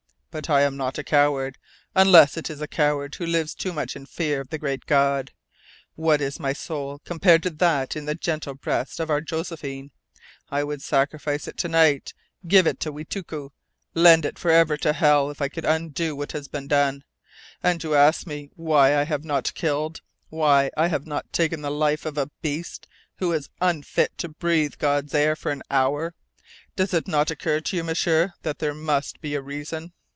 But I am not a coward, unless it is a coward who lives too much in fear of the Great God. What is my soul compared to that in the gentle breast of our Josephine? I would sacrifice it to night give it to Wetikoo lend it forever to hell if I could undo what has been done. And you ask me why I have not killed, why I have not taken the life of a beast who is unfit to breathe God's air for an hour! Does it not occur to you, M'sieur, that there must be a reason?"